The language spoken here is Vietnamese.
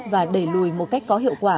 và đẩy lùi một cách có hiệu quả